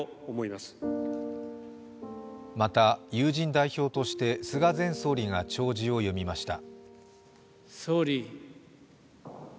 また、友人代表として菅前総理が弔辞を読みました。